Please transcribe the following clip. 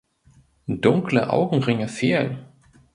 Dunkle Augenringe fehlen.